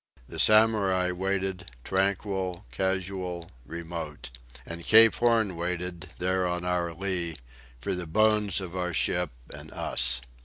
The Samurai waited, tranquil, casual, remote. And Cape Horn waited, there on our lee, for the bones of our ship and us.